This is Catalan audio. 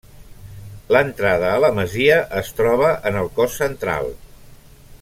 L'entrada a la masia es troba en el cos central.